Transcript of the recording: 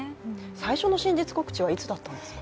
最初の真実告知はいつだったんですか。